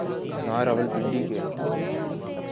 نہ راولپنڈی کے۔